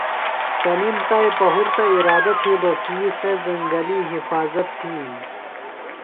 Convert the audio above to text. تنِم تا پُہرتہ اِرادہ تِھیلوۡ کی سےۡ زنگلی حِفاظت تِھین۔